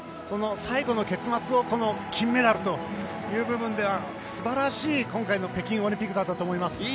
その最後の結末を金メダルという部分では素晴らしい北京オリンピックだったと思います。